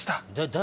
誰？